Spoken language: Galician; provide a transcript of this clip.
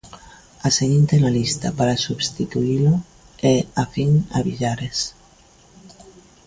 A seguinte na lista, para substituílo, é afín a Villares.